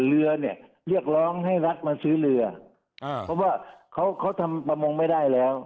เรือเนี่ยเรียกร้องให้รัฐมาซื้อเรืออ่าเพราะว่าเขาเขาทำประมงไม่ได้แล้ว